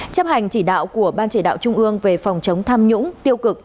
chấp hành chỉ đạo của ban chỉ đạo trung ương về phòng chống tham nhũng tiêu cực